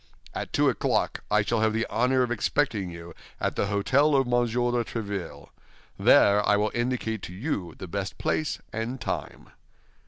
At two o'clock I shall have the honor of expecting you at the hôtel of Monsieur de Tréville. There I will indicate to you the best place and time."